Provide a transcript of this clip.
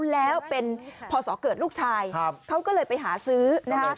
แล้วเป็นพศเกิดลูกชายเขาก็เลยไปหาซื้อนะคะ